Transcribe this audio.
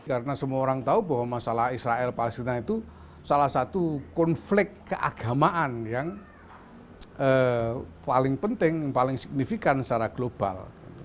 karena semua orang tahu bahwa masalah israel palestina itu salah satu konflik keagamaan yang paling penting paling signifikan secara global